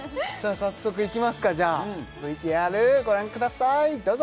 早速いきますかじゃあＶＴＲご覧くださいどうぞ！